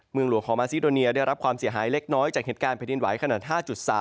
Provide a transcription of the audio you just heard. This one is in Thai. เมืองหลวงของมาซิโดเนียได้รับความเสียหายเล็กน้อยจากเหตุการณ์แผ่นดินไหวขนาด๕๓